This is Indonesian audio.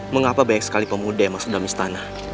mengapa banyak sekali pemuda yang masuk dalam istana